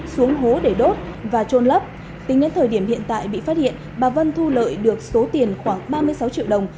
xuống hố để đốt và trôn lấp tính đến thời điểm hiện tại bị phát hiện bà vân thu lợi được số tiền khoảng ba mươi sáu triệu đồng